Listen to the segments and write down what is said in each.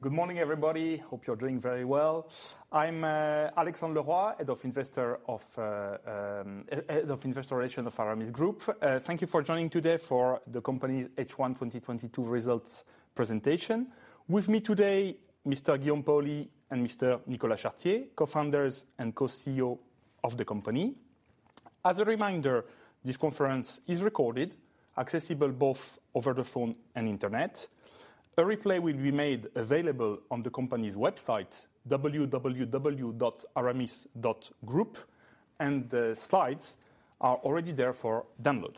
Good morning, everybody. Hope you're doing very well. I'm Alexandre Leroy, Head of Investor Relations of Aramis Group. Thank you for joining today for the company's H1 2022 Results Presentation. With me today, Mr. Guillaume Paoli and Mr. Nicolas Chartier, Co-founders and Co-CEO of the company. As a reminder, this conference is recorded, accessible both over the phone and internet. A replay will be made available on the company's website, www.aramis.group, and the slides are already there for download.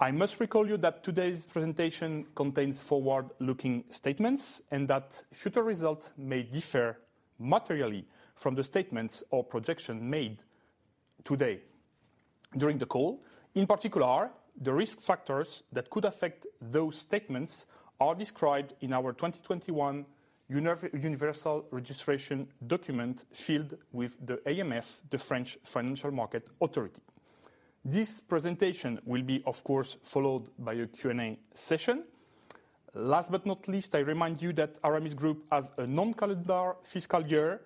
I must remind you that today's presentation contains forward-looking statements, and that future results may differ materially from the statements or projections made today during the call. In particular, the risk factors that could affect those statements are described in our 2021 universal registration document filed with the AMF, the Autorité des Marchés Financiers. This presentation will be, of course, followed by a Q&A session. Last but not least, I remind you that Aramis Group has a non-calendar fiscal year,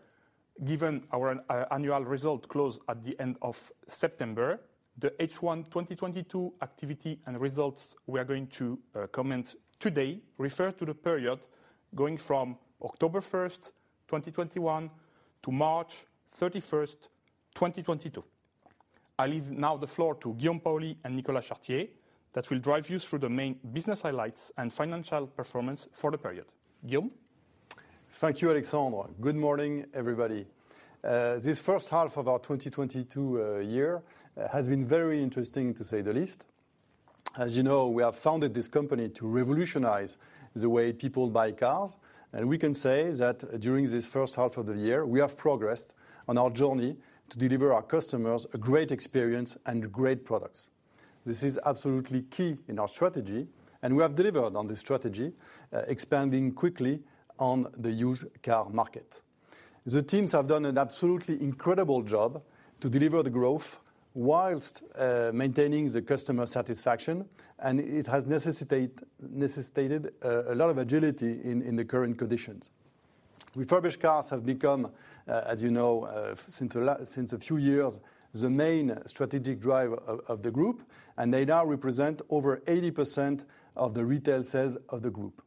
given our annual result close at the end of September. The H1 2022 activity and results we are going to comment today refer to the period going from October 1st, 2021 to March 31st, 2022. I leave now the floor to Guillaume Paoli and Nicolas Chartier that will drive you through the main business highlights and financial performance for the period. Guillaume? Thank you, Alexandre. Good morning, everybody. This first half of our 2022 year has been very interesting, to say the least. As you know, we have founded this company to revolutionize the way people buy cars, and we can say that during this first half of the year, we have progressed on our journey to deliver our customers a great experience and great products. This is absolutely key in our strategy, and we have delivered on this strategy, expanding quickly on the used car market. The teams have done an absolutely incredible job to deliver the growth whilst maintaining the customer satisfaction, and it has necessitated a lot of agility in the current conditions. Refurbished cars have become, as you know, since a few years, the main strategic driver of the group, and they now represent over 80% of the retail sales of the group.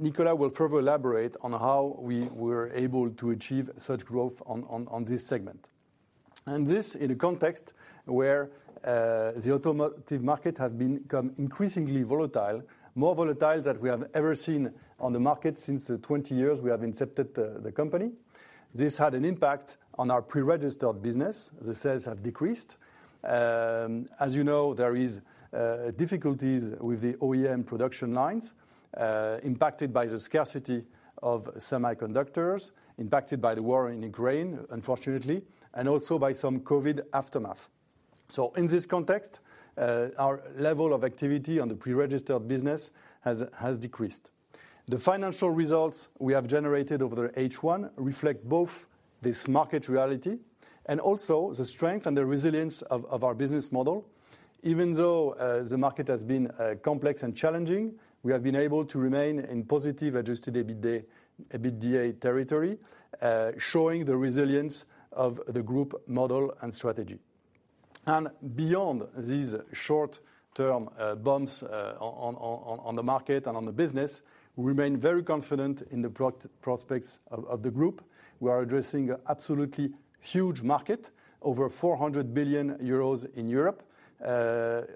Nicolas will further elaborate on how we were able to achieve such growth on this segment. This in a context where the automotive market has become increasingly volatile, more volatile than we have ever seen on the market since the 20 years we have incepted the company. This had an impact on our pre-registered business. The sales have decreased. As you know, there is difficulties with the OEM production lines, impacted by the scarcity of semiconductors, impacted by the war in Ukraine, unfortunately, and also by some COVID aftermath. In this context, our level of activity on the pre-registered business has decreased. The financial results we have generated over the H1 reflect both this market reality and also the strength and the resilience of our business model. Even though the market has been complex and challenging, we have been able to remain in positive Adjusted EBITDA territory, showing the resilience of the group model and strategy. Beyond these short-term bumps on the market and on the business, we remain very confident in the prospects of the group. We are addressing a absolutely huge market, over 400 billion euros in Europe.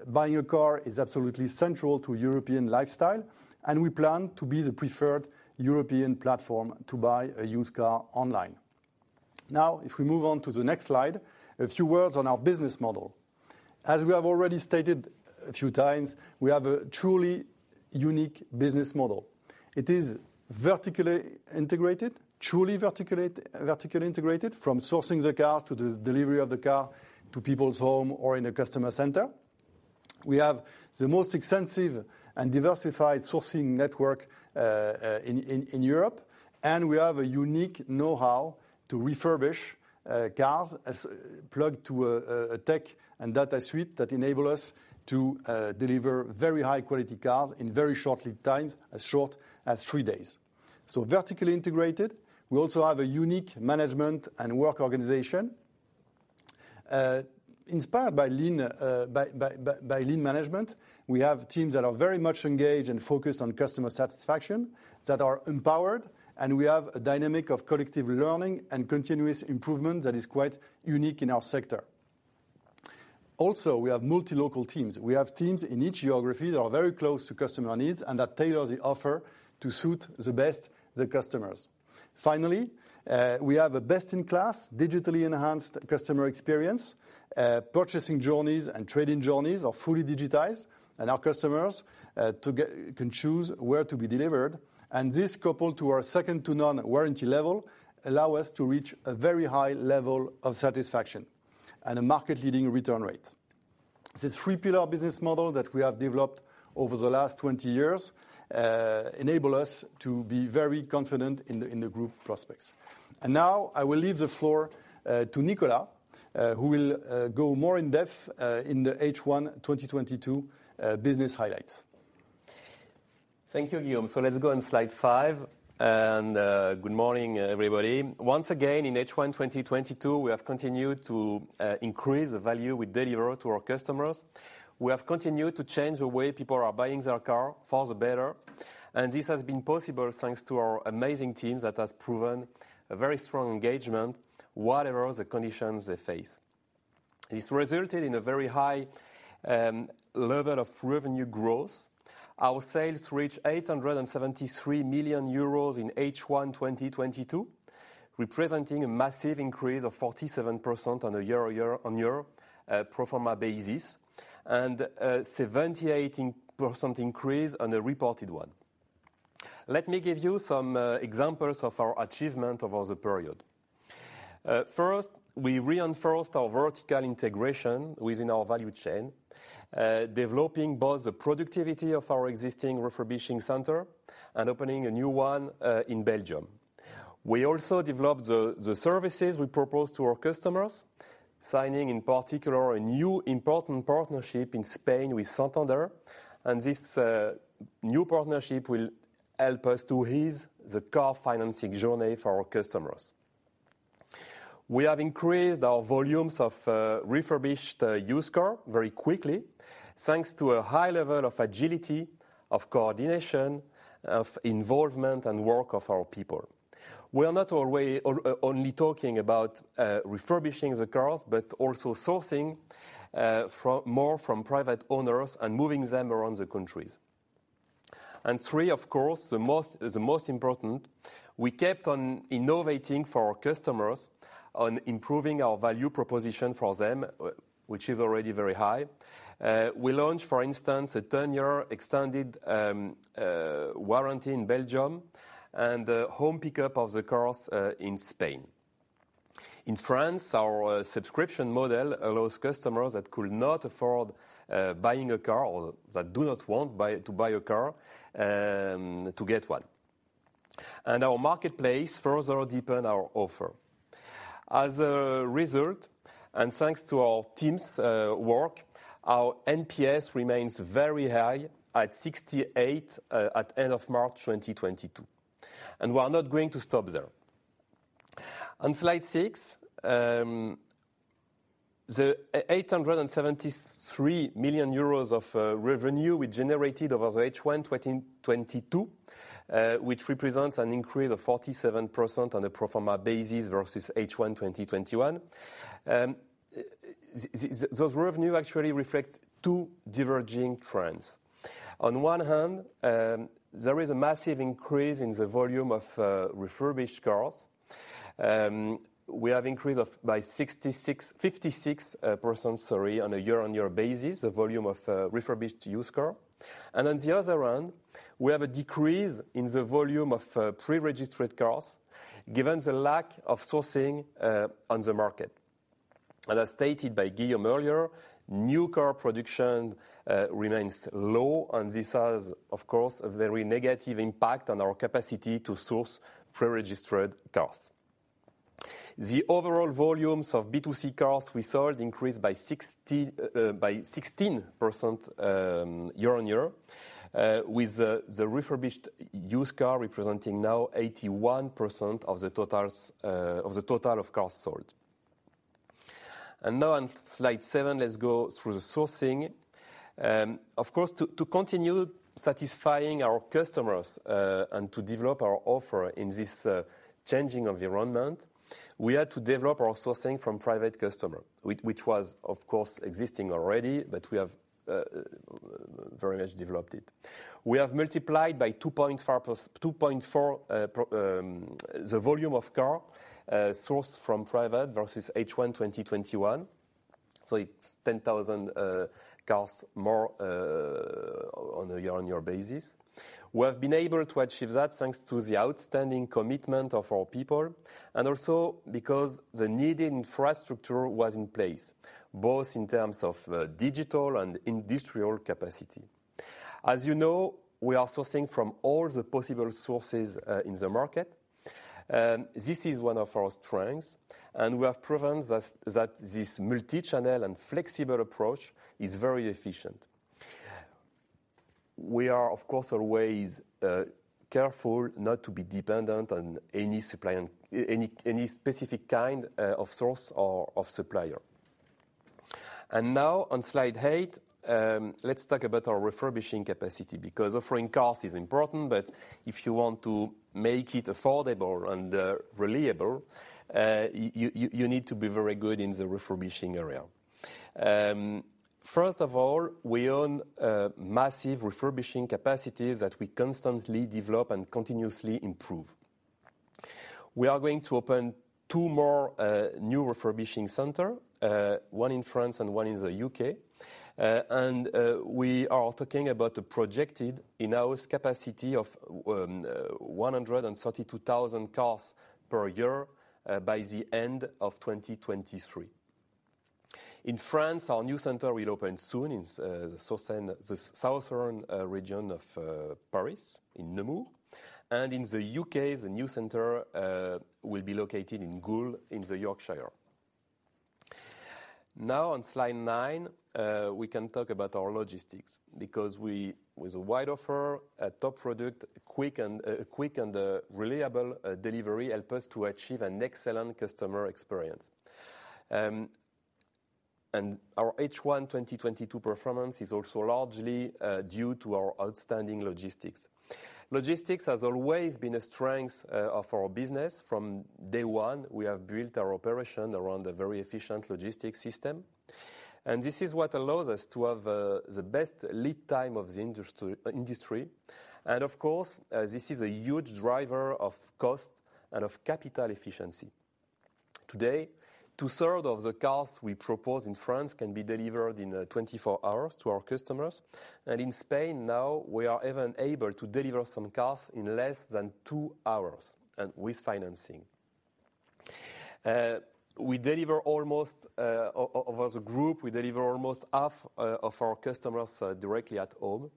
Buying a car is absolutely central to European lifestyle, and we plan to be the preferred European platform to buy a used car online. Now, if we move on to the next slide, a few words on our business model. As we have already stated a few times, we have a truly unique business model. It is vertically integrated, truly vertically integrated, from sourcing the car to the delivery of the car to people's home or in a customer center. We have the most extensive and diversified sourcing network in Europe, and we have a unique know-how to refurbish cars that's plugged into a tech and data suite that enables us to deliver very high-quality cars in very short lead times, as short as three days. Vertically integrated, we also have a unique management and work organization. Inspired by lean management, we have teams that are very much engaged and focused on customer satisfaction, that are empowered, and we have a dynamic of collective learning and continuous improvement that is quite unique in our sector. Also, we have multi-local teams. We have teams in each geography that are very close to customer needs and that tailor the offer to suit the best the customers. Finally, we have a best-in-class, digitally enhanced customer experience. Purchasing journeys and trading journeys are fully digitized, and our customers can choose where to be delivered. This, coupled to our second-to-none warranty level, allow us to reach a very high level of satisfaction and a market-leading return rate. The three-pillar business model that we have developed over the last 20 years enable us to be very confident in the group prospects. Now I will leave the floor to Nicolas who will go more in depth in the H1 2022 business highlights. Thank you, Guillaume. Let's go on slide five. Good morning, everybody. Once again, in H1 2022, we have continued to increase the value we deliver to our customers. We have continued to change the way people are buying their car for the better, and this has been possible thanks to our amazing teams that has proven a very strong engagement whatever the conditions they face. This resulted in a very high level of revenue growth. Our sales reached 873 million euros in H1 2022, representing a massive increase of 47% on a year-on-year pro forma basis, and 78% increase on the reported one. Let me give you some examples of our achievement over the period. First, we reinforced our vertical integration within our value chain, developing both the productivity of our existing refurbishing center and opening a new one, in Belgium. We also developed the services we propose to our customers, signing in particular a new important partnership in Spain with Santander. This new partnership will help us to ease the car financing journey for our customers. We have increased our volumes of refurbished used car very quickly, thanks to a high level of agility, of coordination, of involvement, and work of our people. We are not only talking about refurbishing the cars, but also sourcing more from private owners and moving them around the countries. Three, of course, the most important, we kept on innovating for our customers on improving our value proposition for them, which is already very high. We launched, for instance, a 10-year extended warranty in Belgium and the home pickup of the cars in Spain. In France, our subscription model allows customers that could not afford buying a car or that do not want to buy a car to get one. Our marketplace further deepen our offer. As a result, and thanks to our teams work, our NPS remains very high at 68 at end of March 2022, and we are not going to stop there. On slide six, the eight hundred and 73 million euros of revenue we generated over the H1 2022, which represents an increase of 47% on a pro forma basis versus H1 2021, those revenues actually reflect two diverging trends. On one hand, there is a massive increase in the volume of refurbished cars. We have increased by 56%, sorry, on a year-on-year basis, the volume of refurbished used car. On the other hand, we have a decrease in the volume of pre-registered cars given the lack of sourcing on the market. As stated by Guillaume earlier, new car production remains low, and this has, of course, a very negative impact on our capacity to source pre-registered cars. The overall volumes of B2C cars we sold increased by 16%, year-on-year, with the refurbished used car representing now 81% of the total of cars sold. Now on slide seven, let's go through the sourcing. Of course, to continue satisfying our customers and to develop our offer in this changing environment, we had to develop our sourcing from private customer, which was, of course, existing already, but we have very much developed it. We have multiplied by 2.4 the volume of car sourced from private versus H1 2021, so it's 10,000 cars more on a year-on-year basis. We have been able to achieve that thanks to the outstanding commitment of our people and also because the needed infrastructure was in place, both in terms of, digital and industrial capacity. As you know, we are sourcing from all the possible sources, in the market. This is one of our strengths, and we have proven that this multi-channel and flexible approach is very efficient. We are, of course, always, careful not to be dependent on any supplier and any specific kind, of source or of supplier. Now on slide eight, let's talk about our refurbishing capacity because offering cars is important, but if you want to make it affordable and, reliable, you need to be very good in the refurbishing area. First of all, we own massive refurbishing capacities that we constantly develop and continuously improve. We are going to open two more new refurbishing center one in France and one in the U.K. We are talking about a projected in-house capacity of 132,000 cars per year by the end of 2023. In France, our new center will open soon in the southern region of Paris in Nemours. In the U.K., the new center will be located in Goole in the Yorkshire. Now on slide nine, we can talk about our logistics because we, with a wide offer, a top product, quick and reliable delivery help us to achieve an excellent customer experience. Our H1 2022 performance is also largely due to our outstanding logistics. Logistics has always been a strength of our business. From day one, we have built our operation around a very efficient logistics system, and this is what allows us to have the best lead time of the industry. Of course, this is a huge driver of cost and of capital efficiency. Today, 2/3 of the cars we propose in France can be delivered in 24 hours to our customers. In Spain now, we are even able to deliver some cars in less than two hours, and with financing. We deliver almost over the group half of our customers directly at home.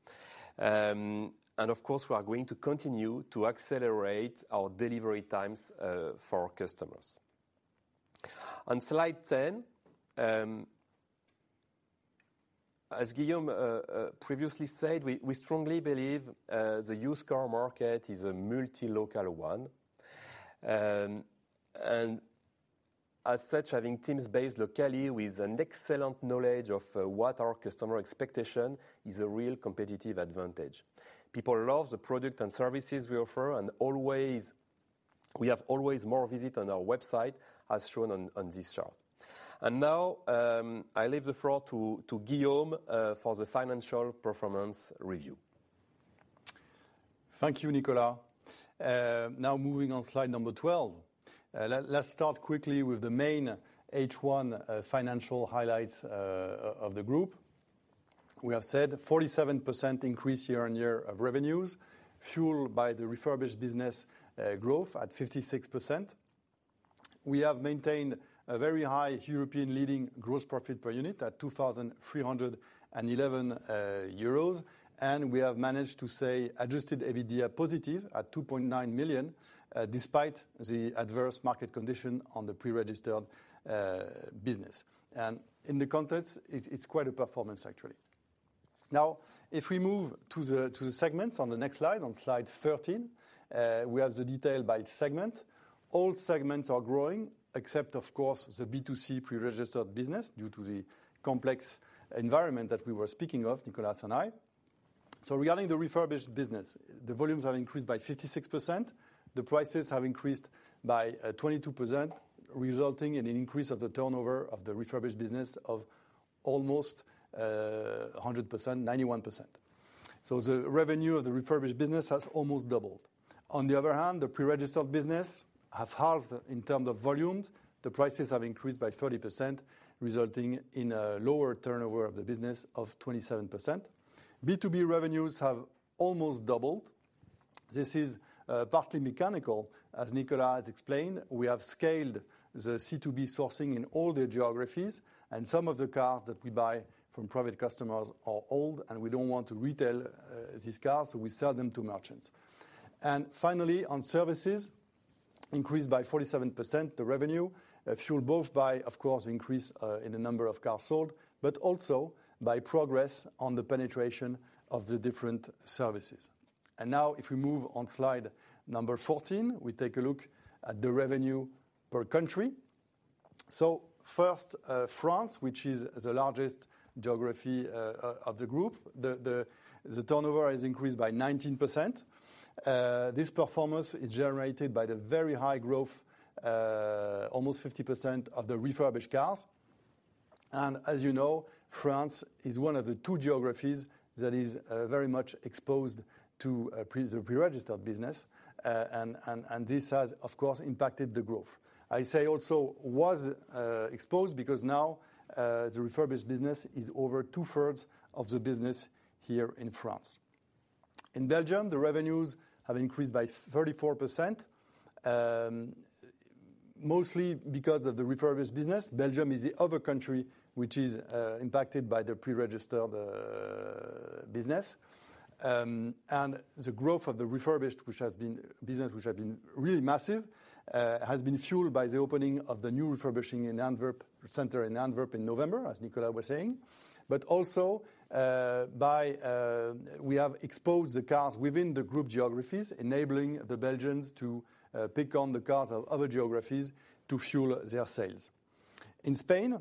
Of course, we are going to continue to accelerate our delivery times for our customers. On slide ten, as Guillaume previously said, we strongly believe the used car market is a multi-local one. As such, having teams based locally with an excellent knowledge of what our customer expectation is a real competitive advantage. People love the product and services we offer, and always, we have always more visits on our website, as shown on this chart. Now, I leave the floor to Guillaume for the financial performance review. Thank you, Nicolas. Now moving on slide 12. Let's start quickly with the main H1 financial highlights of the group. We have said 47% increase year-on-year of revenues, fueled by the refurbished business growth at 56%. We have maintained a very high European leading gross profit per unit at 2,311 euros, and we have managed to stay Adjusted EBITDA positive at 2.9 million despite the adverse market condition on the pre-registered business. In the context, it's quite a performance actually. Now, if we move to the segments on the next slide, on slide 13, we have the detail by segment. All segments are growing except, of course, the B2C pre-registered business due to the complex environment that we were speaking of, Nicolas and I. Regarding the refurbished business, the volumes have increased by 56%. The prices have increased by 22%, resulting in an increase of the turnover of the refurbished business of almost 100%, 91%. The revenue of the refurbished business has almost doubled. On the other hand, the pre-registered business have halved in terms of volumes. The prices have increased by 30%, resulting in a lower turnover of the business of 27%. B2B revenues have almost doubled. This is partly mechanical. As Nicolas has explained, we have scaled the C2B sourcing in all the geographies, and some of the cars that we buy from private customers are old, and we don't want to retail these cars, so we sell them to merchants. Finally, on services, increased by 47% the revenue, fueled both by, of course, increase in the number of cars sold, but also by progress on the penetration of the different services. Now if we move on slide number 14, we take a look at the revenue per country. First, France, which is the largest geography of the group. The turnover has increased by 19%. This performance is generated by the very high growth, almost 50% of the refurbished cars. As you know, France is one of the two geographies that is very much exposed to the pre-registered business. This has, of course, impacted the growth. It is also exposed because now the refurbished business is over two-thirds of the business here in France. In Belgium, the revenues have increased by 34%, mostly because of the refurbished business. Belgium is the other country which is impacted by the pre-registered business. The growth of the refurbished business which has been really massive has been fueled by the opening of the new refurbishing center in Antwerp in November, as Nicolas was saying. Also, by we have exposed the cars within the group geographies, enabling the Belgians to pick from the cars of other geographies to fuel their sales. In Spain,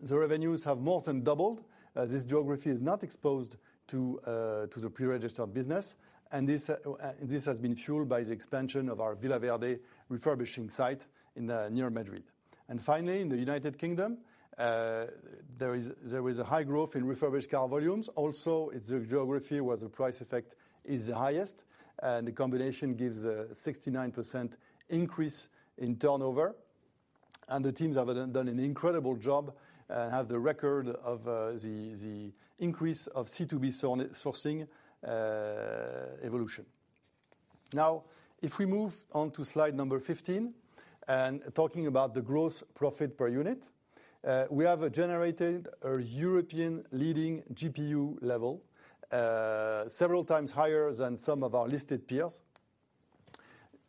the revenues have more than doubled. This geography is not exposed to the pre-registered business, and this has been fueled by the expansion of our Villaverde refurbishing site near Madrid. Finally, in the United Kingdom, there is a high growth in refurbished car volumes. Also, it's the geography where the price effect is the highest, and the combination gives a 69% increase in turnover. The teams have done an incredible job and have the record of the increase of C2B sourcing evolution. Now, if we move on to slide number 15, and talking about the gross profit per unit, we have generated a European leading GPU level, several times higher than some of our listed peers.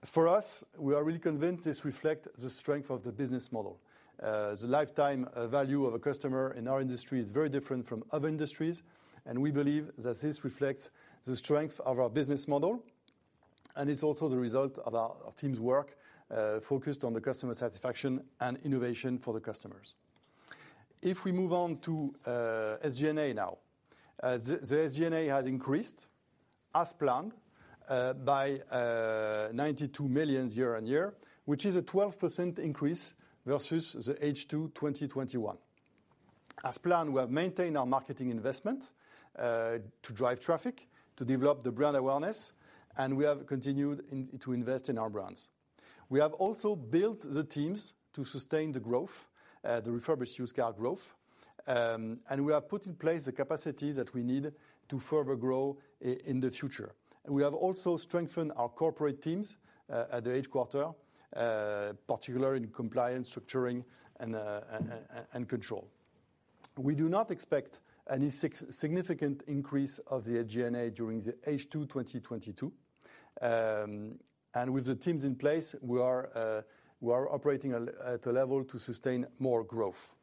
For us, we are really convinced this reflect the strength of the business model. The lifetime value of a customer in our industry is very different from other industries, and we believe that this reflects the strength of our business model. It's also the result of our team's work focused on the customer satisfaction and innovation for the customers. If we move on to SG&A now. The SG&A has increased as planned by 92 million year-on-year, which is a 12% increase versus the H2 2021. As planned, we have maintained our marketing investment to drive traffic, to develop the brand awareness, and we have continued to invest in our brands. We have also built the teams to sustain the growth, the refurbished used car growth, and we have put in place the capacity that we need to further grow in the future. We have also strengthened our corporate teams at the headquarters, particularly in compliance, structuring, and control. We do not expect any significant increase of the SG&A during the H2 2022. With the teams in place, we are operating at a level to sustain more growth.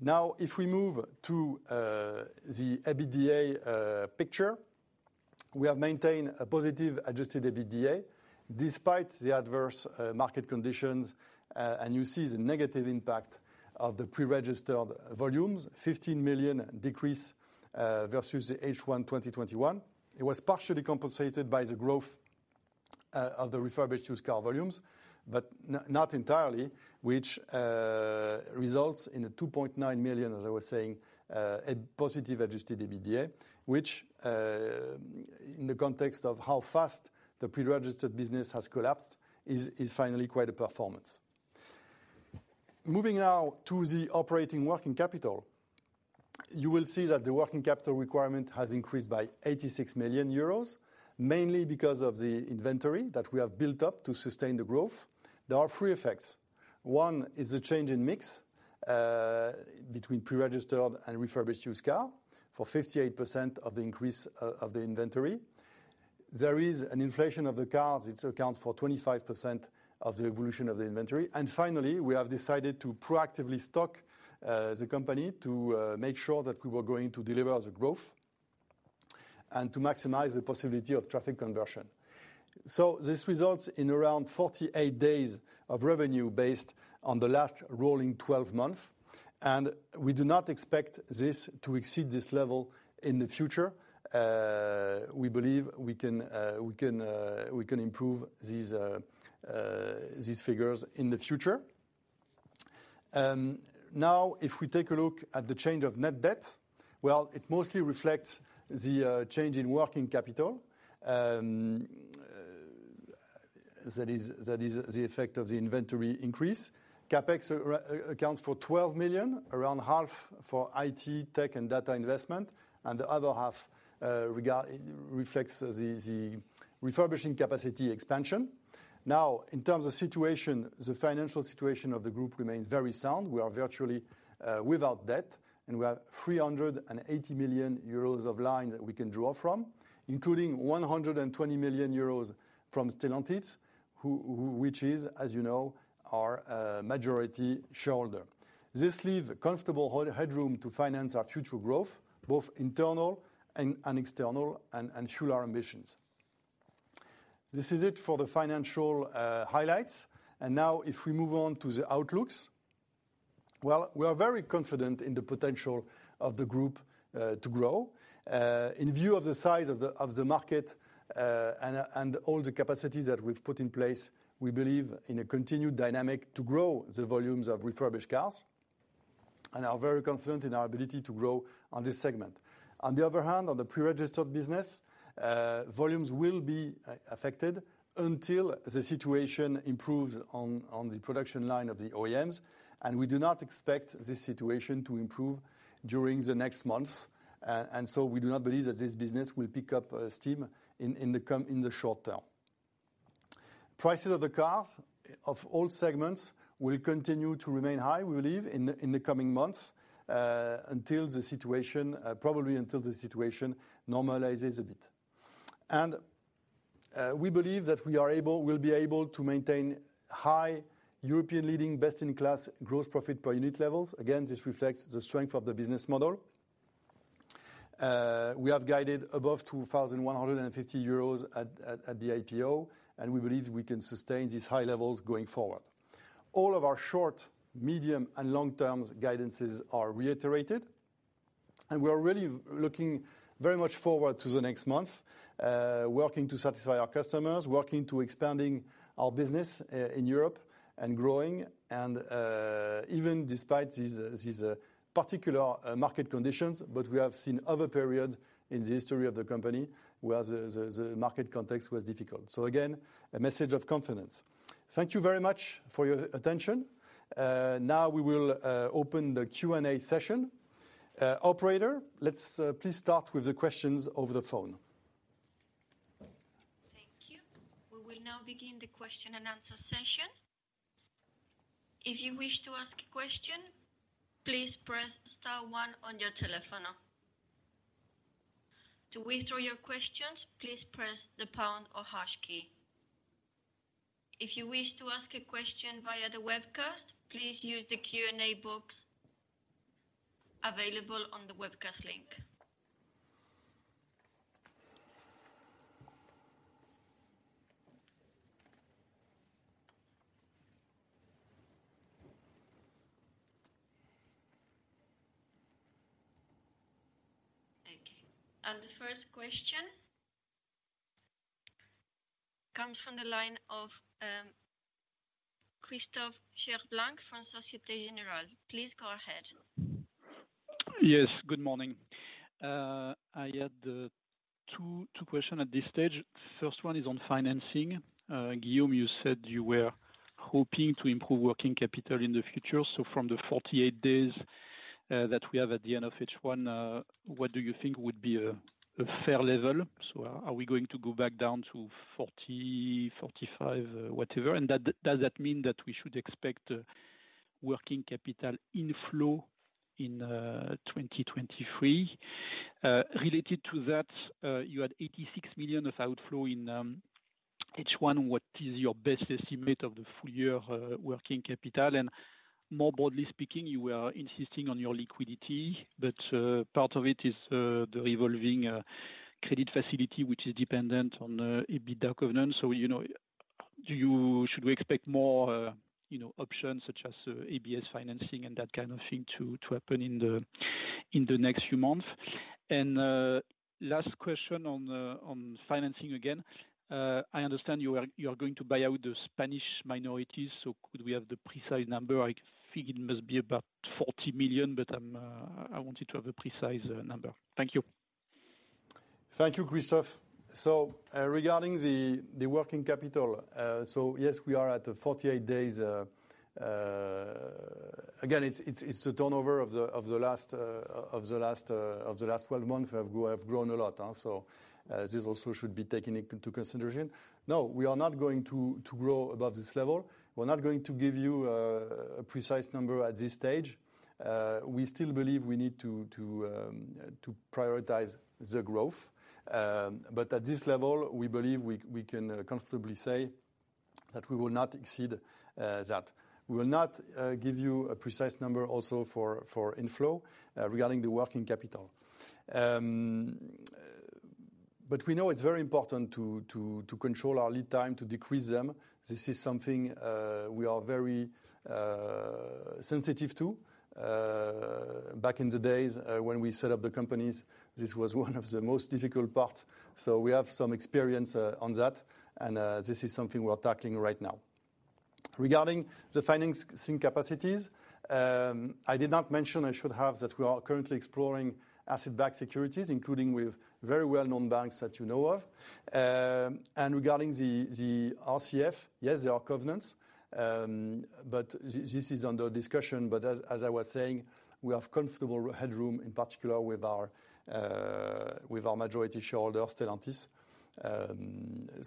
Now, if we move to the EBITDA picture, we have maintained a positive Adjusted EBITDA despite the adverse market conditions. You see the negative impact of the pre-registered volumes, 15 million decrease versus the H1 2021. It was partially compensated by the growth of the refurbished used car volumes, but not entirely, which results in a 2.9 million, as I was saying, a positive Adjusted EBITDA, which in the context of how fast the pre-registered business has collapsed, is finally quite a performance. Moving now to the operating working capital, you will see that the working capital requirement has increased by 86 million euros, mainly because of the inventory that we have built up to sustain the growth. There are three effects. One is the change in mix between pre-registered and refurbished used car for 58% of the increase of the inventory. There is an inflation of the cars. It accounts for 25% of the evolution of the inventory. Finally, we have decided to proactively stock the company to make sure that we were going to deliver the growth and to maximize the possibility of traffic conversion. This results in around 48 days of revenue based on the last rolling twelve month, and we do not expect this to exceed this level in the future. We believe we can improve these figures in the future. Now, if we take a look at the change of net debt, well, it mostly reflects the change in working capital. That is the effect of the inventory increase. CapEx accounts for 12 million, around half for IT, tech, and data investment, and the other half reflects the refurbishing capacity expansion. Now, in terms of situation, the financial situation of the group remains very sound. We are virtually without debt, and we have 380 million euros of line that we can draw from, including 120 million euros from Stellantis, which is, as you know, our majority shareholder. This leaves comfortable headroom to finance our future growth, both internal and external, and fuel our ambitions. This is it for the financial highlights. Now if we move on to the outlooks, well, we are very confident in the potential of the group to grow. In view of the size of the market and all the capacity that we've put in place, we believe in a continued dynamic to grow the volumes of refurbished cars and are very confident in our ability to grow on this segment. On the other hand, on the pre-registered business, volumes will be affected until the situation improves on the production line of the OEMs, and we do not expect this situation to improve during the next months. We do not believe that this business will pick up steam in the short term. Prices of the cars of all segments will continue to remain high, we believe, in the coming months until the situation probably normalizes a bit. We believe that we'll be able to maintain high European leading best-in-class gross profit per unit levels. Again, this reflects the strength of the business model. We have guided above 2,150 euros at the IPO, and we believe we can sustain these high levels going forward. All of our short, medium, and long terms guidances are reiterated, and we are really looking very much forward to the next month, working to satisfy our customers, working to expanding our business in Europe and growing, and even despite these particular market conditions. We have seen other period in the history of the company where the market context was difficult. Again, a message of confidence. Thank you very much for your attention. Now we will open the Q&A session. Operator, let's please start with the questions over the phone. Thank you. We will now begin the Q&A. If you wish to ask a question, please press star one on your telephone. To withdraw your questions, please press the pound or hash key. If you wish to ask a question via the webcast, please use the Q&A box available on the webcast link. Thank you. The first question comes from the line of Christophe Cherblanc from Société Générale. Please go ahead. Yes, good morning. I had two questions at this stage. First one is on financing. Guillaume, you said you were hoping to improve working capital in the future. From the 48 days that we have at the end of H1, what do you think would be a fair level? Are we going to go back down to 40-45, whatever? Does that mean that we should expect working capital inflow in 2023? Related to that, you had 86 million of outflow in H1. What is your best estimate of the full year working capital? And more broadly speaking, you were insisting on your liquidity, but part of it is the revolving credit facility, which is dependent on the EBITDA covenant. You know, do you... Should we expect more, you know, options such as ABS financing and that kind of thing to happen in the next few months? Last question on financing again. I understand you are going to buy out the Spanish minorities, so could we have the precise number? I think it must be about 40 million, but I want you to have a precise number. Thank you. Thank you, Christophe. Regarding the working capital. Yes, we are at 48 days. Again, it's the turnover of the last 12 months have grown a lot. This also should be taken into consideration. No, we are not going to grow above this level. We're not going to give you a precise number at this stage. We still believe we need to prioritize the growth. At this level, we believe we can comfortably say that we will not exceed that. We will not give you a precise number also for inflow regarding the working capital. We know it's very important to control our lead time, to decrease them. This is something we are very sensitive to. Back in the days, when we set up the companies, this was one of the most difficult part. We have some experience on that. This is something we are tackling right now. Regarding the financing capacities, I did not mention, I should have, that we are currently exploring asset-backed securities, including with very well-known banks that you know of. Regarding the RCF, yes, there are covenants. This is under discussion. As I was saying, we have comfortable headroom, in particular with our majority shareholder, Stellantis.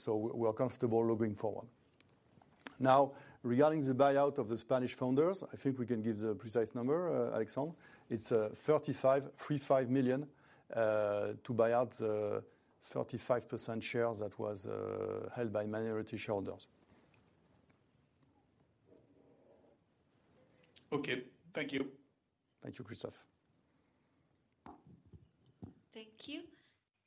We're comfortable looking forward. Now, regarding the buyout of the Spanish founders, I think we can give the precise number, Alexandre. It's 35 million to buy out the 35% shares that was held by minority shareholders. Okay. Thank you. Thank you, Christophe. Thank you.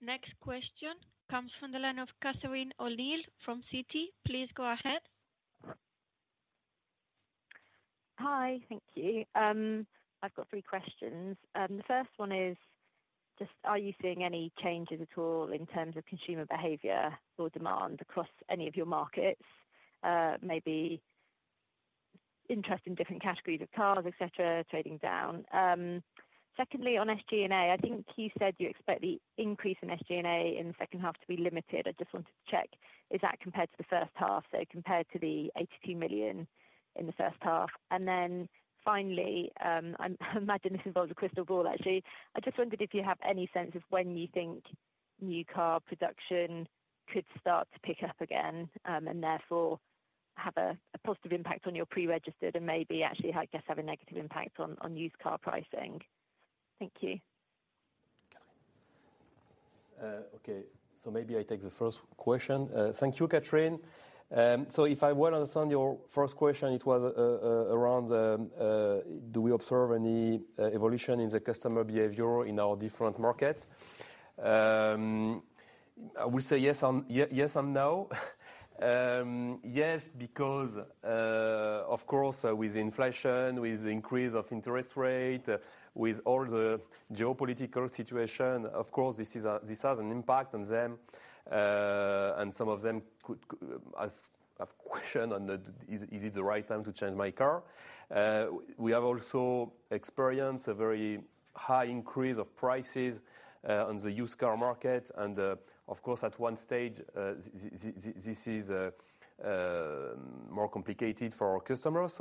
Next question comes from the line of Catherine O'Neill from Citi. Please go ahead. Hi. Thank you. I've got three questions. The first one is just are you seeing any changes at all in terms of consumer behavior or demand across any of your markets? Maybe interest in different categories of cars, et cetera, trading down. Secondly, on SG&A, I think you said you expect the increase in SG&A in the second half to be limited. I just wanted to check, is that compared to the first half? Compared to the 82 million in the first half. Finally, I imagine this involves a crystal ball actually. I just wondered if you have any sense of when you think new car production could start to pick up again, and therefore have a positive impact on your pre-registered and maybe actually, I guess, have a negative impact on used car pricing. Thank you. Okay. Maybe I take the first question. Thank you, Catherine. If I well understand your first question, it was around do we observe any evolution in the customer behavior in our different markets? I will say yes and no. Yes, because of course, with inflation, with the increase of interest rate, with all the geopolitical situation, of course, this has an impact on them. Some of them could have questioned on is it the right time to change my car? We have also experienced a very high increase of prices on the used car market. Of course, at one stage, this is more complicated for our customers.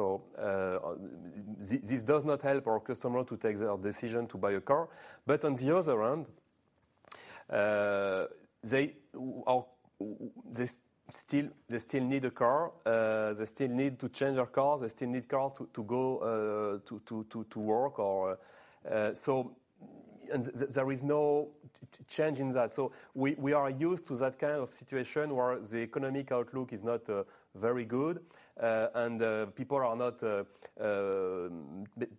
This does not help our customer to take the decision to buy a car. On the other hand- They still need a car, they still need to change their cars, they still need a car to go to work or so. There is no changing that. We are used to that kind of situation where the economic outlook is not very good, and people are not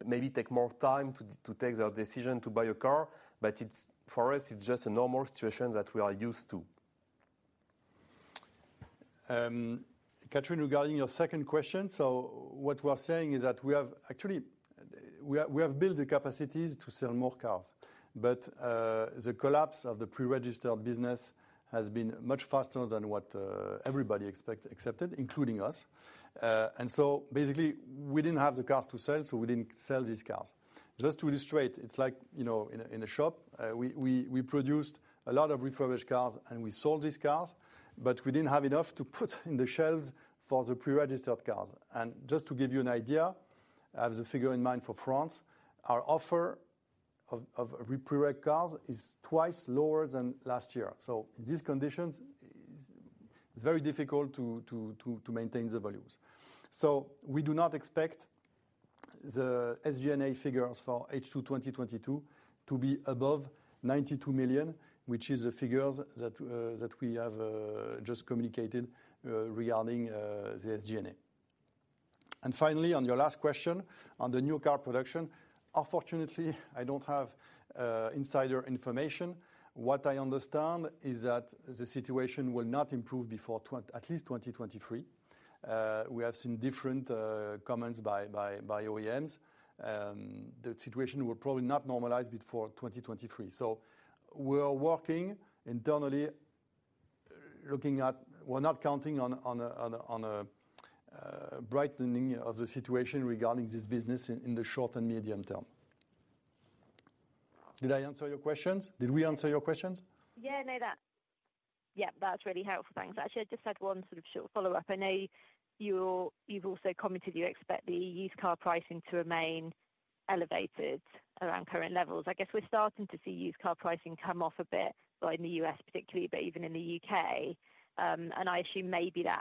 maybe take more time to take their decision to buy a car. It's, for us, just a normal situation that we are used to. Catherine, regarding your second question. What we're saying is that we have actually built the capacities to sell more cars. The collapse of the pre-registered business has been much faster than what everybody expected, including us. Basically, we didn't have the cars to sell, so we didn't sell these cars. Just to illustrate, it's like, you know, in a shop, we produced a lot of refurbished cars and we sold these cars, but we didn't have enough to put in the shelves for the pre-registered cars. Just to give you an idea, I have the figure in mind for France, our offer of pre-reg cars is twice lower than last year. These conditions is very difficult to maintain the volumes. We do not expect the SG&A figures for H2 2022 to be above 92 million, which is the figures that we have just communicated regarding the SG&A. Finally, on your last question on the new car production. Unfortunately, I don't have insider information. What I understand is that the situation will not improve before at least 2023. We have some different comments by OEMs. The situation will probably not normalize before 2023. We are working internally, looking at. We are not counting on a brightening of the situation regarding this business in the short and medium term. Did I answer your questions? Did we answer your questions? Yeah, that's really helpful. Thanks. Actually, I just had one sort of short follow-up. I know you've also commented you expect the used car pricing to remain elevated around current levels. I guess we're starting to see used car pricing come off a bit, well, in the U.S. particularly, but even in the U.K. I assume maybe that's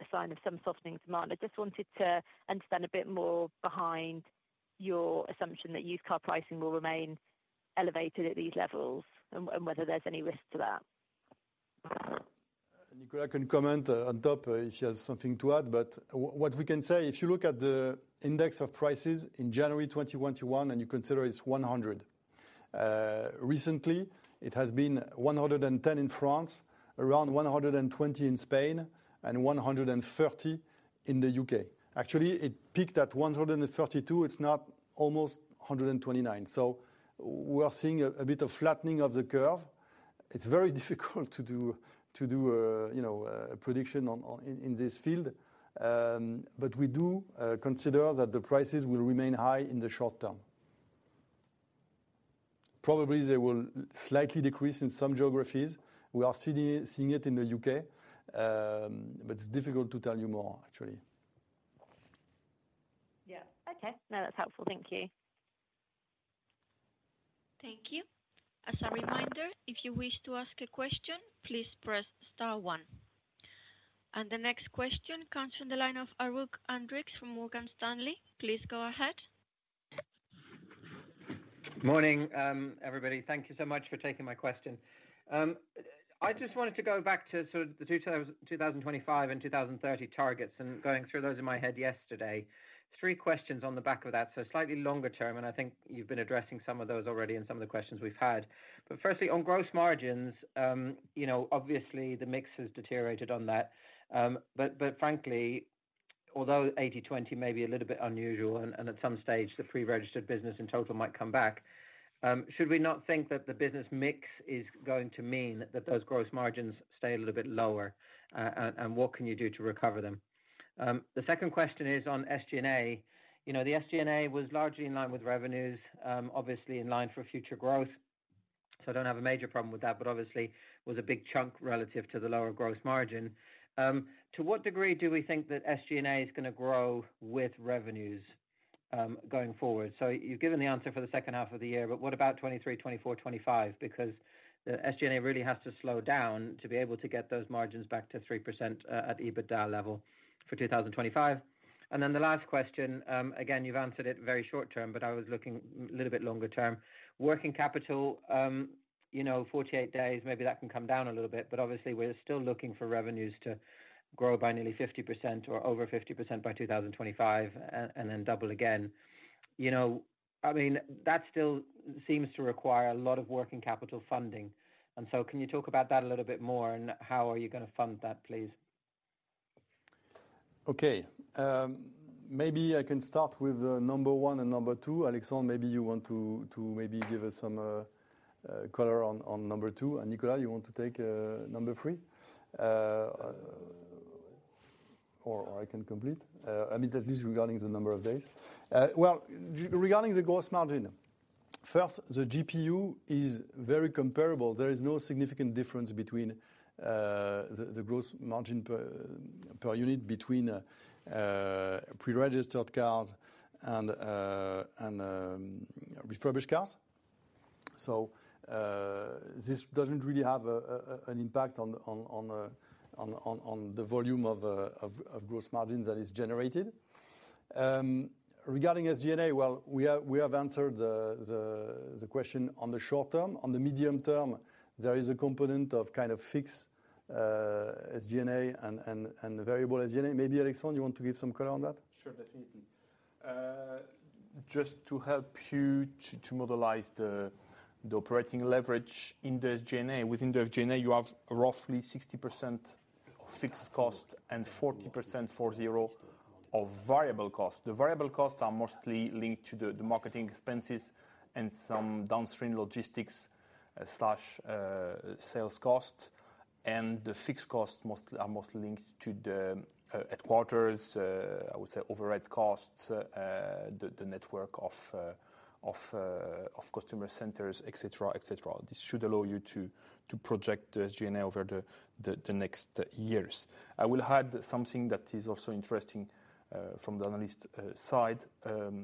a sign of some softening demand. I just wanted to understand a bit more behind your assumption that used car pricing will remain elevated at these levels and whether there's any risk to that. Nicolas can comment on top if he has something to add. What we can say, if you look at the index of prices in January 2021, and you consider it's 100. Recently it has been 110 in France, around 120 in Spain, and 130 in the U.K. Actually, it peaked at 132. It's now almost 129. We are seeing a bit of flattening of the curve. It's very difficult to do you know a prediction on in this field. We do consider that the prices will remain high in the short term. Probably, they will slightly decrease in some geographies. We are seeing it in the U.K., but it's difficult to tell you more, actually. Yeah. Okay. No, that's helpful. Thank you. Thank you. As a reminder, if you wish to ask a question, please press star one. The next question comes from the line of Edouard Aubin from Morgan Stanley. Please go ahead. Morning, everybody. Thank you so much for taking my question. I just wanted to go back to sort of the 2025 and 2030 targets, and going through those in my head yesterday. Three questions on the back of that. Slightly longer term, and I think you've been addressing some of those already in some of the questions we've had. Firstly, on gross margins, you know, obviously the mix has deteriorated on that. But frankly, although 80/20 may be a little bit unusual and at some stage the pre-registered business in total might come back, should we not think that the business mix is going to mean that those gross margins stay a little bit lower? And what can you do to recover them? The second question is on SG&A. You know, the SG&A was largely in line with revenues, obviously in line for future growth. I don't have a major problem with that, but obviously was a big chunk relative to the lower gross margin. To what degree do we think that SG&A is gonna grow with revenues, going forward? You've given the answer for the second half of the year, but what about 2023, 2024, 2025? Because the SG&A really has to slow down to be able to get those margins back to 3%, at EBITDA level for 2025. Then the last question, again, you've answered it very short term, but I was looking a little bit longer term. Working capital, you know, 48 days, maybe that can come down a little bit, but obviously we're still looking for revenues to grow by nearly 50% or over 50% by 2025, and then double again. You know, I mean, that still seems to require a lot of working capital funding. Can you talk about that a little bit more and how are you gonna fund that, please? Okay. Maybe I can start with number one and number two. Alexandre, maybe you want to maybe give us some color on number two. Nicolas, you want to take number three? I can complete. I mean, at least regarding the number of days. Well, regarding the gross margin. First, the GPU is very comparable. There is no significant difference between the gross margin per unit between pre-registered cars and refurbished cars. This doesn't really have an impact on the volume of gross margin that is generated. Regarding SG&A, well, we have answered the question on the short term. On the medium term, there is a component of kind of fixed SG&A and variable SG&A. Maybe Alexandre, you want to give some color on that? Sure, definitely. Just to help you to model the operating leverage in the SG&A. Within the SG&A, you have roughly 60% fixed cost and 40% of variable cost. The variable costs are mostly linked to the marketing expenses and some downstream logistics, sales costs. The fixed costs are mostly linked to the headquarters, I would say, overhead costs, the network of customer centers, et cetera, et cetera. This should allow you to project the SG&A over the next years. I will add something that is also interesting from the analyst side,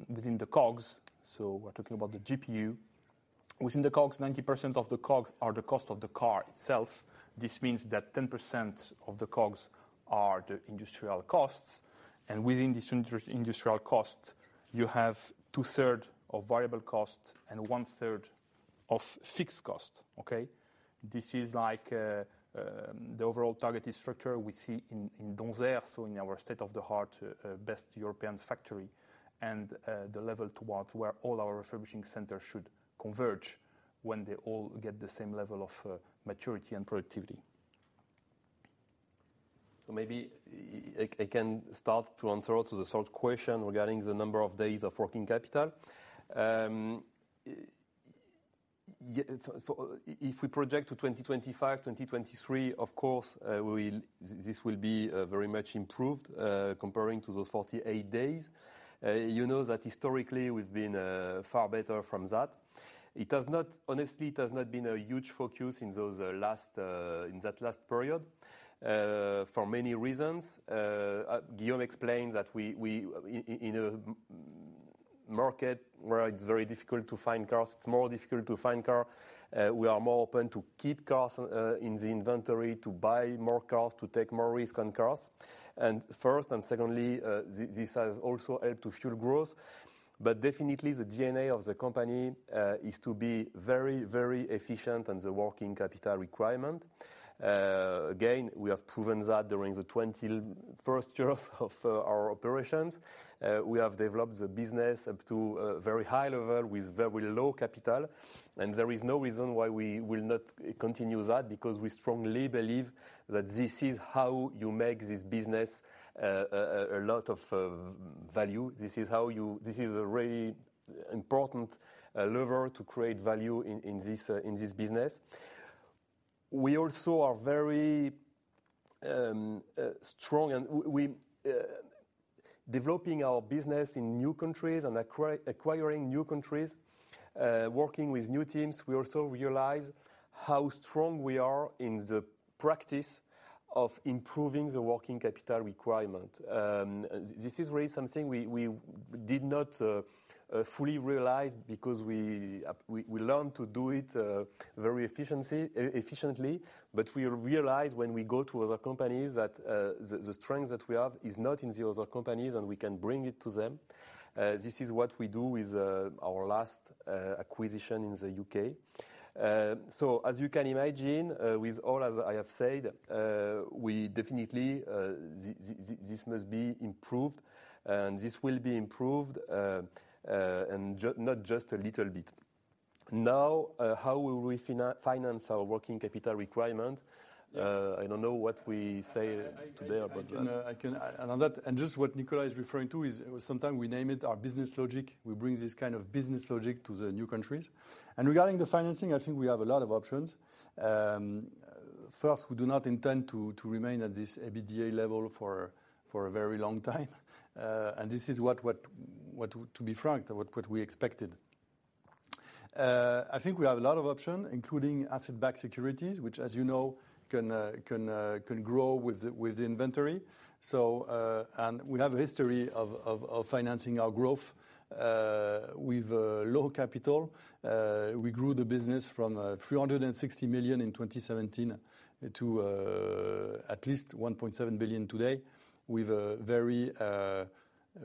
within the COGS. We're talking about the GPU. Within the COGS, 90% of the COGS are the cost of the car itself. This means that 10% of the COGS are the industrial costs. Within this industrial cost, you have two-thirds of variable cost and 1/3 of fixed cost, okay? This is like the overall targeted structure we see in Donzère, so in our state-of-the-art best European factory, and the level towards where all our refurbishing centers should converge when they all get the same level of maturity and productivity. Maybe I can start to answer to the third question regarding the number of days of working capital. If we project to 2025, 2023, of course, this will be very much improved comparing to those 48 days. You know that historically, we've been far better from that. It has not, honestly, been a huge focus in that last period for many reasons. Guillaume explained that we in a market where it's very difficult to find cars, we are more open to keep cars in the inventory, to buy more cars, to take more risk on cars, and first and secondly, this has also helped to fuel growth. Definitely, the DNA of the company is to be very, very efficient on the working capital requirement. Again, we have proven that during the 21 years of our operations. We have developed the business up to a very high level with very low capital. There is no reason why we will not continue that, because we strongly believe that this is how you make this business a lot of value. This is how you make this business. This is a really important lever to create value in this business. We also are very strong and we developing our business in new countries and acquiring new countries, working with new teams, we also realize how strong we are in the practice of improving the working capital requirement. This is really something we did not fully realize because we learned to do it very efficiently. We realize when we go to other companies that the strength that we have is not in the other companies, and we can bring it to them. This is what we do with our last acquisition in the U.K. As you can imagine, with all, as I have said, we definitely this must be improved, and this will be improved, and not just a little bit. Now, how will we finance our working capital requirement? I don't know what we say today about that. On that, just what Nicolas is referring to is sometimes we name it our business logic. We bring this kind of business logic to the new countries. Regarding the financing, I think we have a lot of options. First, we do not intend to remain at this EBITDA level for a very long time. This is what, to be frank, we expected. I think we have a lot of option, including asset-backed securities, which as you know, can grow with the inventory. We have a history of financing our growth with low capital. We grew the business from 360 million in 2017 to at least 1.7 billion today with a very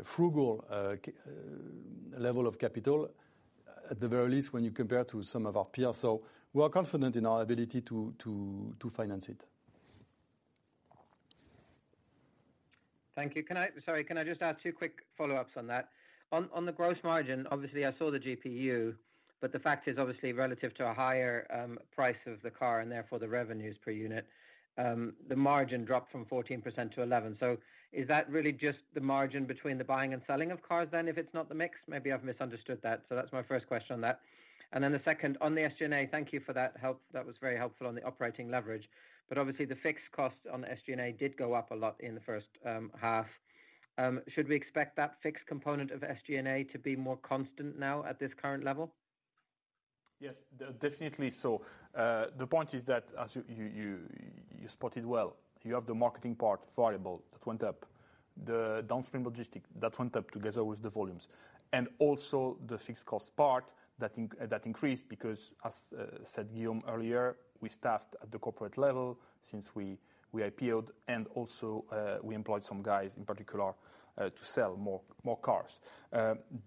frugal level of capital, at the very least when you compare to some of our peers. We are confident in our ability to finance it. Thank you. Can I just add two quick follow-ups on that? On the gross margin, obviously I saw the GPU, but the fact is obviously relative to a higher price of the car and therefore the revenues per unit, the margin dropped from 14%-11%. Is that really just the margin between the buying and selling of cars then, if it's not the mix? Maybe I've misunderstood that. That's my first question on that. Then the second, on the SG&A, thank you for that help. That was very helpful on the operating leverage. Obviously the fixed cost on the SG&A did go up a lot in the first half. Should we expect that fixed component of SG&A to be more constant now at this current level? Yes, definitely so. The point is that as you spotted well, you have the marketing part variable that went up. The downstream logistics that went up together with the volumes and also the fixed cost part that increased because as said Guillaume earlier, we staffed at the corporate level since we IPO-ed and also we employed some guys in particular to sell more cars.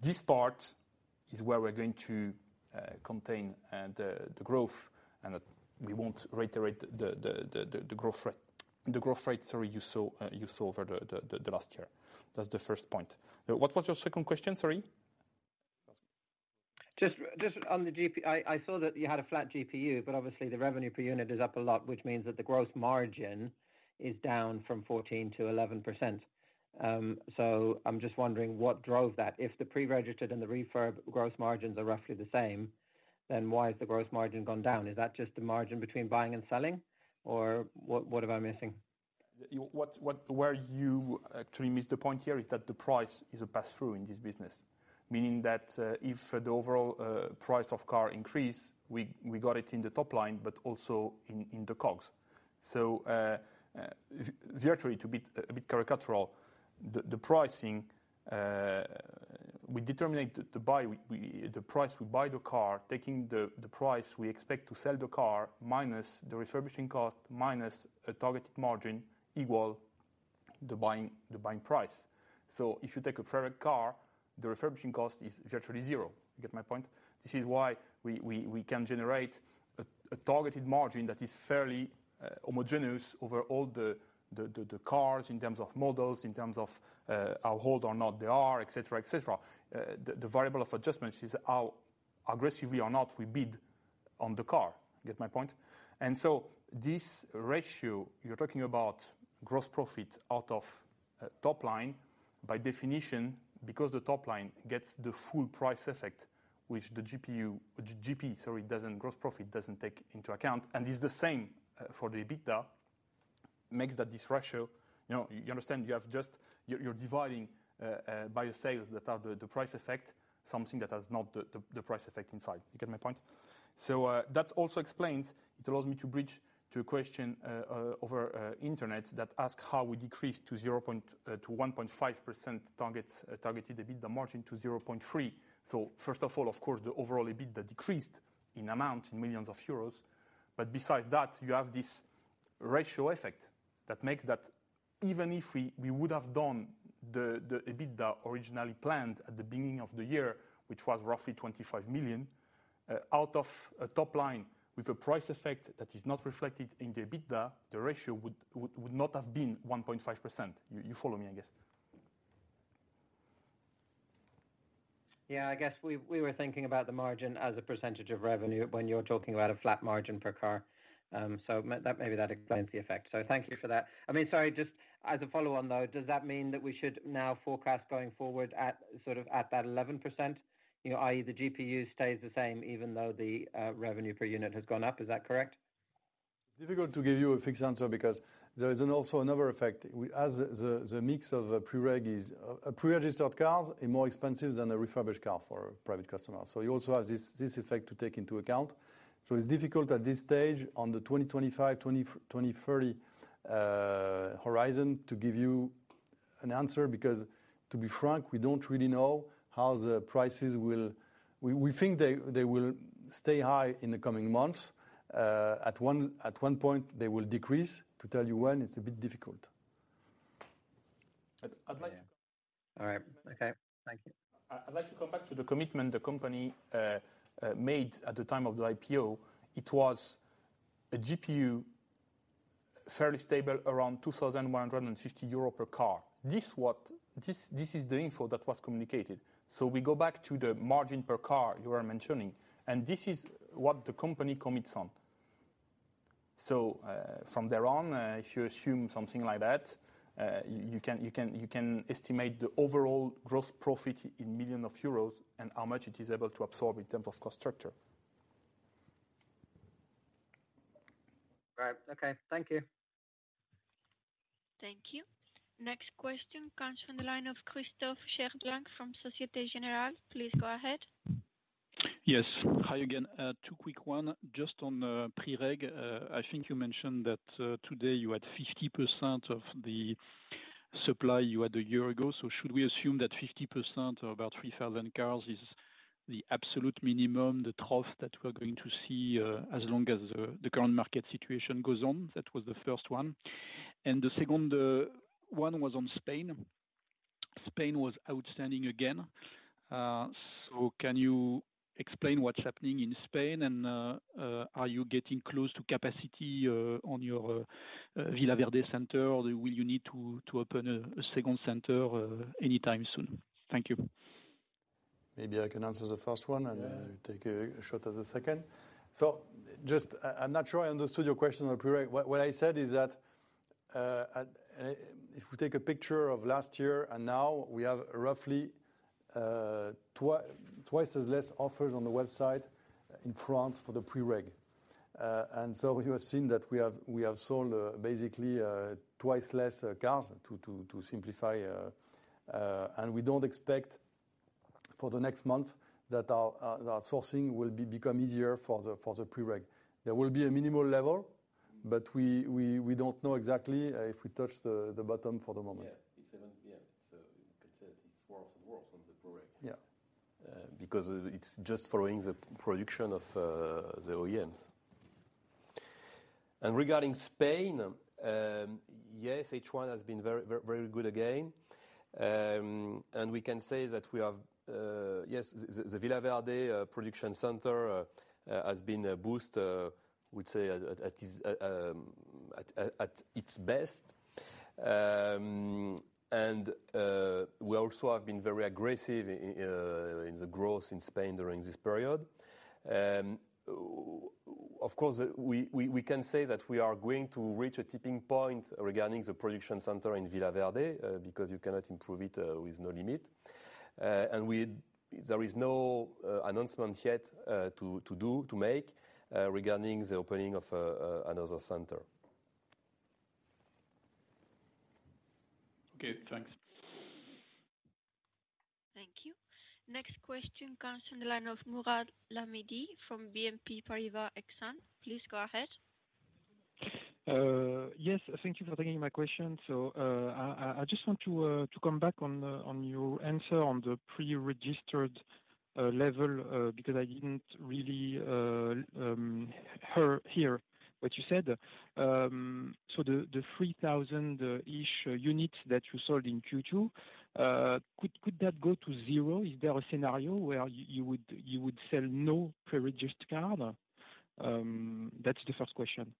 This part is where we're going to contain the growth and we won't reiterate the growth rate, sorry, you saw over the last year. That's the first point. What was your second question, sorry? Just on the GPU. I saw that you had a flat GPU, but obviously the revenue per unit is up a lot, which means that the gross margin is down from 14% to 11%. So I'm just wondering what drove that. If the pre-registered and the refurb gross margins are roughly the same, then why has the gross margin gone down? Is that just the margin between buying and selling? Or what am I missing? Where you actually missed the point here is that the price is a pass-through in this business. Meaning that, if the overall prices of cars increase, we got it in the top line, but also in the COGS. Virtually to be a bit caricatural, the price we buy the car, taking the price we expect to sell the car, minus the refurbishing cost, minus a targeted margin, equal the buying price. If you take a private car, the refurbishing cost is virtually zero. You get my point? This is why we can generate a targeted margin that is fairly homogeneous over all the cars in terms of models, in terms of how old or not they are, et cetera, et cetera. The variable of adjustments is how aggressive we are when we bid on the car. Get my point? This ratio you're talking about gross profit out of top line by definition, because the top line gets the full price effect, which the GPU, GP, sorry, doesn't, gross profit doesn't take into account, and it's the same for the EBITDA, makes that this ratio. You know, you understand you have just. You're dividing by your sales that are the price effect, something that has not the price effect inside. You get my point? That also explains, it allows me to bridge to a question over internet that asks how we decreased to 0.3. To 1.5% target, targeted EBITDA margin to 0.3. First of all, of course, the overall EBITDA decreased in amount, in millions of euros. Besides that, you have this ratio effect that makes that even if we would have done the EBITDA originally planned at the beginning of the year, which was roughly 25 million, out of a top line with a price effect that is not reflected in the EBITDA, the ratio would not have been 1.5%. You follow me, I guess. Yeah. I guess we were thinking about the margin as a percentage of revenue when you're talking about a flat margin per car. Maybe that explains the effect. Thank you for that. I mean, sorry, just as a follow on though, does that mean that we should now forecast going forward at, sort of, that 11%? You know, i.e., the GPU stays the same even though the revenue per unit has gone up. Is that correct? It's difficult to give you a fixed answer because there is also another effect. As the mix of pre-reg, pre-registered cars are more expensive than a refurbished car for a private customer. You also have this effect to take into account. It's difficult at this stage on the 2025-2030 horizon to give you an answer because to be frank, we don't really know how the prices will. We think they will stay high in the coming months. At one point, they will decrease. To tell you when, it's a bit difficult. I'd like to. All right. Okay. Thank you. I'd like to come back to the commitment the company made at the time of the IPO. It was a GPU fairly stable around 2,150 euro per car. This is the info that was communicated. We go back to the margin per car you are mentioning, and this is what the company commits on. From there on, if you assume something like that, you can estimate the overall gross profit in millions of euros and how much it is able to absorb in terms of cost structure. Right. Okay. Thank you. Thank you. Next question comes from the line of Christophe Cherblanc from Société Générale. Please go ahead. Yes. Hi again. Two quick ones, just on pre-reg. I think you mentioned that today you had 50% of the supply you had a year ago. Should we assume that 50% or about 3,000 cars is the absolute minimum, the trough that we're going to see as long as the current market situation goes on? That was the first one. The second one was on Spain. Spain was outstanding again. So can you explain what's happening in Spain? Are you getting close to capacity on your Villaverde center? Will you need to open a second center anytime soon? Thank you. Maybe I can answer the first one and take a shot at the second. I'm not sure I understood your question on pre-reg. What I said is that if we take a picture of last year and now, we have roughly twice as less offers on the website in France for the pre-reg. You have seen that we have sold basically twice less cars to simplify. We don't expect For the next month, our sourcing will become easier for the pre-reg. There will be a minimal level, but we don't know exactly if we touch the bottom for the moment. You could say it's worse and worse on the pre-reg. Yeah. Because it's just following the production of the OEMs. Regarding Spain, yes, H1 has been very good again. We can say that we have the Villaverde production center has been a boost. We'd say it's at its best. We also have been very aggressive in the growth in Spain during this period. Well, of course, we can say that we are going to reach a tipping point regarding the production center in Villaverde, because you cannot improve it with no limit. There is no announcement yet to make regarding the opening of another center. Okay, thanks. Thank you. Next question comes from the line of Mourad Lahmidi from BNP Paribas Exane. Please go ahead. Yes, thank you for taking my question. I just want to come back on your answer on the pre-registered level, because I didn't really hear what you said. The 3,000-ish units that you sold in Q2, could that go to zero? Is there a scenario where you would sell no pre-registered car? That's the first question.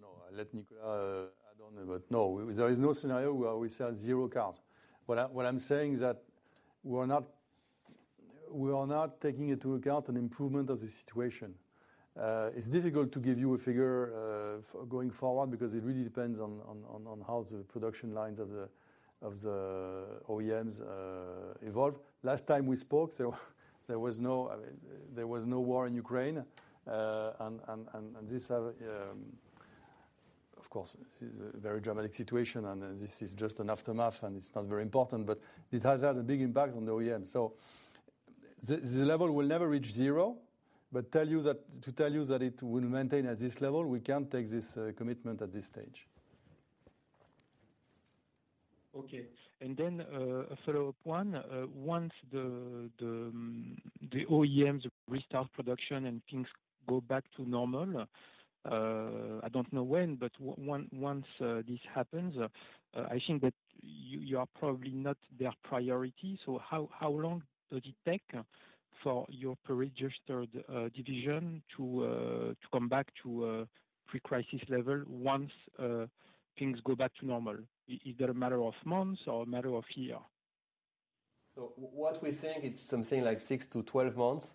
No, let Nicolas add on that. No, there is no scenario where we sell zero cars. What I'm saying is that we're not taking into account an improvement of the situation. It's difficult to give you a figure for going forward because it really depends on how the production lines of the OEMs evolve. Last time we spoke, there was no, I mean, there was no war in Ukraine. Of course, this is a very dramatic situation, and this is just an aftermath, and it's not very important, but it has had a big impact on the OEM. The level will never reach zero, but to tell you that it will maintain at this level, we can't take this commitment at this stage. Okay. A follow-up one. Once the OEMs restart production and things go back to normal, I don't know when, but once this happens, I think that you are probably not their priority. How long does it take for your pre-registered division to come back to pre-crisis level once things go back to normal? Either a matter of months or a matter of year? What we think, it's something like six-12 months,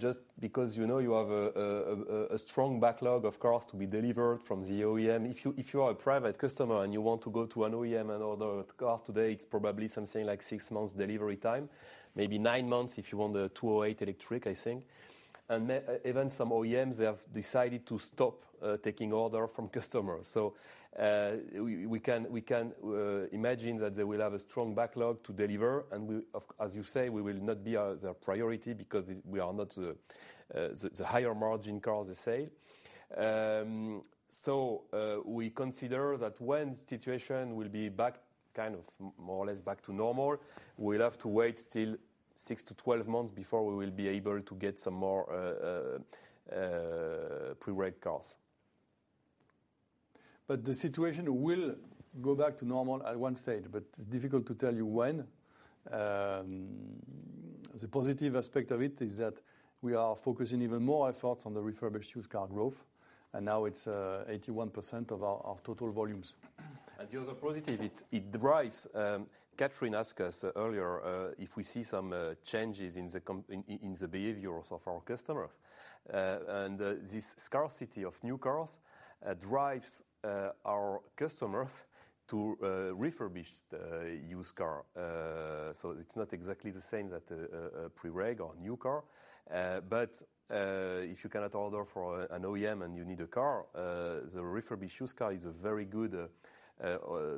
just because, you know, you have a strong backlog of cars to be delivered from the OEM. If you are a private customer and you want to go to an OEM and order a car today, it's probably something like six months delivery time, maybe nine months if you want the Peugeot e-208, I think. Then even some OEMs, they have decided to stop taking orders from customers. We can imagine that they will have a strong backlog to deliver, and, as you say, we will not be their priority because it's, we are not the higher margin cars they sell. We consider that when situation will be back, kind of more or less back to normal, we'll have to wait still six-12 months before we will be able to get some more pre-reg cars. The situation will go back to normal at one stage, but it's difficult to tell you when. The positive aspect of it is that we are focusing even more efforts on the refurbished used car growth, and now it's 81% of our total volumes. The other positive, it drives. Catherine asked us earlier if we see some changes in the behaviors of our customers. This scarcity of new cars drives our customers to refurbished used cars. It's not exactly the same as a pre-reg or a new car. If you cannot order from an OEM and you need a car, the refurbished used car is a very good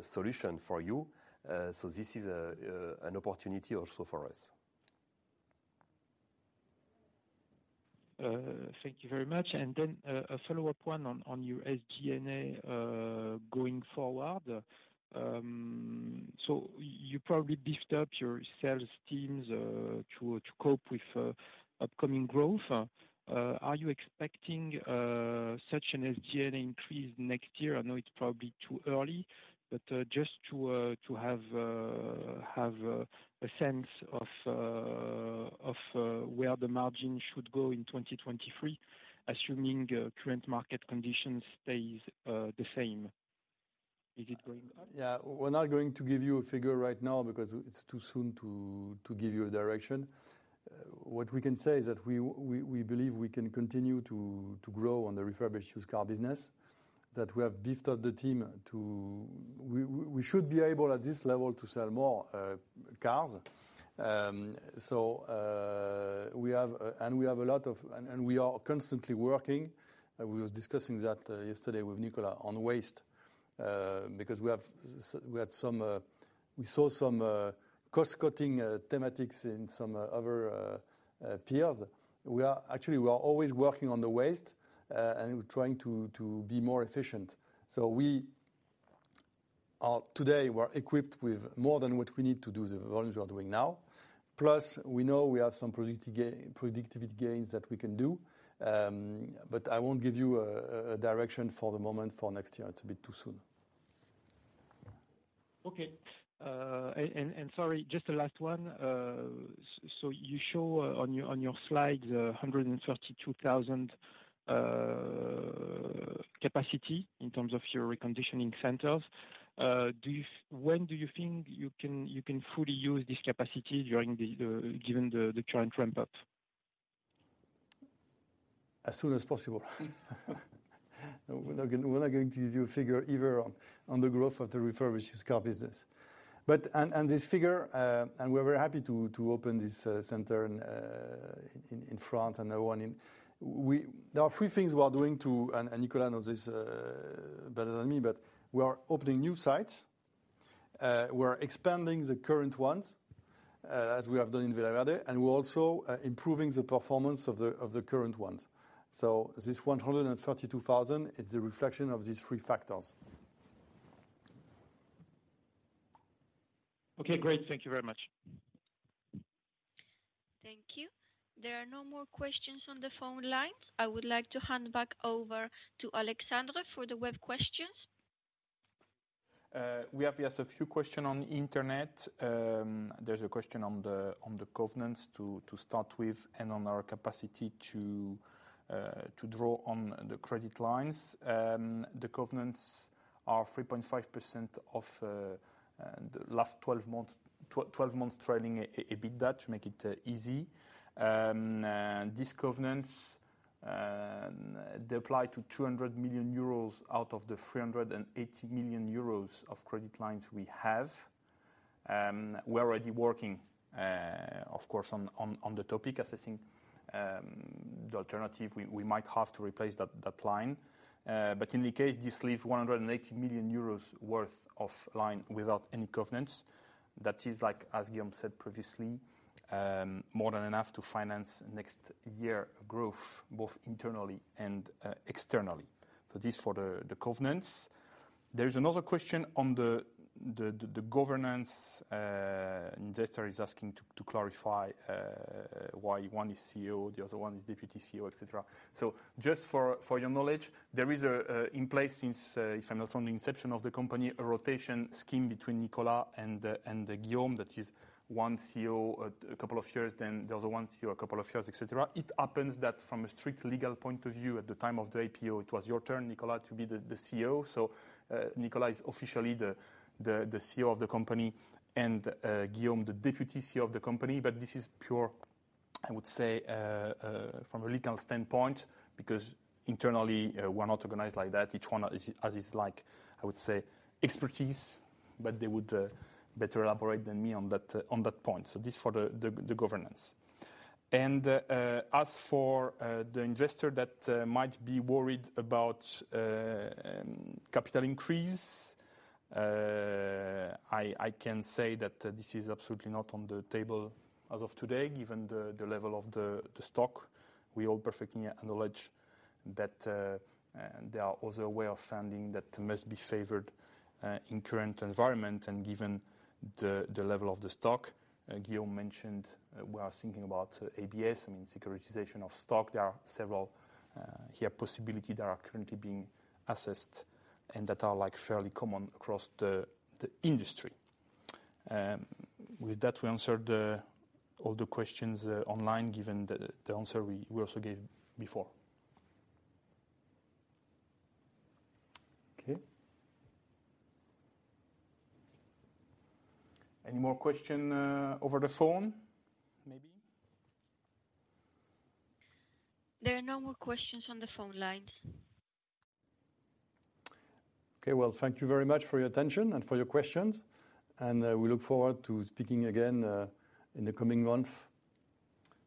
solution for you. This is an opportunity also for us. Thank you very much. A follow-up one on your SG&A going forward. You probably beefed up your sales teams to cope with upcoming growth. Are you expecting such an SG&A increase next year? I know it's probably too early, but just to have a sense of where the margin should go in 2023, assuming current market conditions stays the same. Is it going up? Yeah. We're not going to give you a figure right now because it's too soon to give you a direction. What we can say is that we believe we can continue to grow on the refurbished used car business, that we have beefed up the team. We should be able at this level to sell more cars. We are constantly working. We were discussing that yesterday with Nicolas on waste, because we saw some cost-cutting thematics in some other peers. Actually, we are always working on the waste, and we're trying to be more efficient. Today, we're equipped with more than what we need to do the volumes we are doing now. Plus, we know we have some productivity gains that we can do. I won't give you a direction for the moment for next year. It's a bit too soon. Okay. Sorry, just the last one. You show on your slide the 132,000 capacity in terms of your reconditioning centers. When do you think you can fully use this capacity given the current ramp up? As soon as possible. We're not going to give you a figure either on the growth of the refurbished used car business. This figure, and we're very happy to open this center in France and everyone in. There are three things we are doing, and Nicolas knows this better than me, but we are opening new sites, we're expanding the current ones, as we have done in Villaverde, and we're also improving the performance of the current ones. This 132,000 is a reflection of these three factors. Okay, great. Thank you very much. Thank you. There are no more questions on the phone lines. I would like to hand back over to Alexandre for the web questions. We have a few questions on the internet. There's a question on the covenants to start with and on our capacity to draw on the credit lines. The covenants are 3.5% of the last 12 months trailing EBITDA to make it easy. These covenants apply to 200 million euros out of the 380 million euros of credit lines we have. We're already working, of course, on the topic as I think the alternative, we might have to replace that line. In any case, this leaves 180 million euros worth of line without any covenants. That is like, as Guillaume said previously, more than enough to finance next year growth, both internally and externally. This is for the covenants. There is another question on the governance. Investor is asking to clarify why one is CEO, the other one is deputy CEO, et cetera. Just for your knowledge, there is in place since if I'm not wrong, the inception of the company, a rotation scheme between Nicolas and Guillaume. That is one CEO a couple of years, then the other one CEO a couple of years, et cetera. It happens that from a strict legal point of view, at the time of the IPO, it was your turn, Nicolas, to be the CEO. Nicolas is officially the CEO of the company and Guillaume the deputy CEO of the company. This is pure, I would say, from a legal standpoint, because internally, we're not organized like that. Each one has his, like, I would say, expertise, but they would better elaborate than me on that point. This for the governance. As for the investor that might be worried about capital increase, I can say that this is absolutely not on the table as of today, given the level of the stock. We all perfectly acknowledge that there are other way of funding that must be favored in current environment and given the level of the stock Guillaume mentioned we are thinking about ABS, I mean, securitization of stock. There are several other possibilities that are currently being assessed and that are like fairly common across the industry. With that, we answered all the questions online, given the answer we also gave before. Okay. Any more question over the phone? Maybe. There are no more questions on the phone lines. Okay. Well, thank you very much for your attention and for your questions, and, we look forward to speaking again, in the coming month.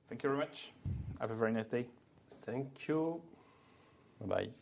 Thank you very much. Have a very nice day. Thank you. Bye.